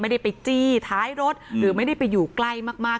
ไม่ได้ไปจี้ท้ายรถหรือไม่ได้ไปอยู่ใกล้มาก